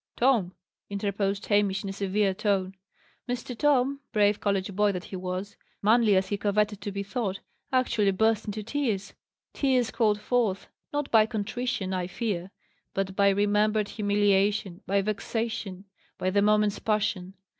"Tom!" interposed Hamish, in a severe tone. Mr. Tom, brave college boy that he was manly as he coveted to be thought actually burst into tears. Tears called forth, not by contrition, I fear; but by remembered humiliation, by vexation, by the moment's passion.